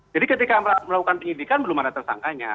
jadi ketika melakukan penyidikan belum ada tersangkanya